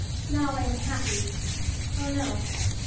Now I am happy! Oh, no.